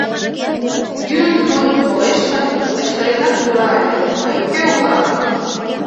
Йӱын монь толеш гын, кычкыренак пура ыле: «Мый кӧ улам?!»